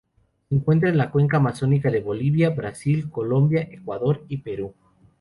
Se encuentra en la cuenca amazónica de Bolivia, Brasil, Colombia, Ecuador y Perú.